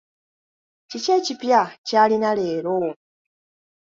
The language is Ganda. Kiki ekipya ky'alina leero?